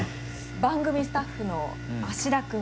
番組スタッフの芦田君。